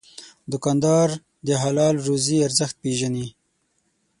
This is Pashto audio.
دوکاندار د حلال روزي ارزښت پېژني.